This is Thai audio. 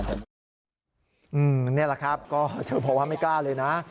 นี่แหละครับก็เธอบอกว่าไม่กล้าเลยนะ